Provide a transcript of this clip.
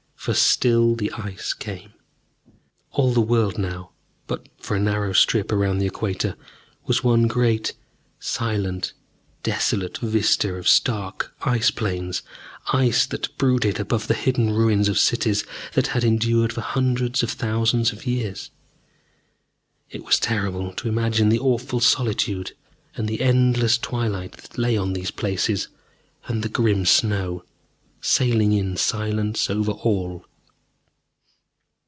For still the Ice came. All the world now, but for a narrow strip about the equator, was one great silent desolate vista of stark ice plains, ice that brooded above the hidden ruins of cities that had endured for hundreds of thousands of years. It was terrible to imagine the awful solitude and the endless twilight that lay on these places, and the grim snow, sailing in silence over all....